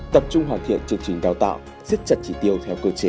tập trung hoàn thiện chương trình đào tạo xích chặt chỉ tiêu theo cơ chế